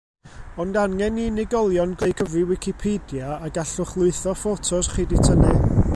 Ond angen i unigolion greu cyfri Wicipedia a gallwch lwytho ffotos chi 'di tynnu.